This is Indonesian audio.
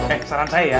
eh saran saya ya